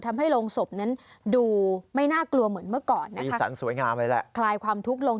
ทำให้โรงศพนั้นดูไม่น่ากลัวเหมือนเมื่อก่อนนะสีสันสวยงามเลยแหละคลายความทุกข์ลง